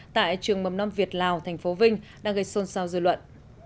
tại trường mầm non việt lào tp vinh đang gây xôn xao dư luận